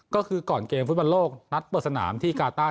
ก็คือก่อนเกมฟุตบอลโลกนัดเปิดสนามที่กาต้า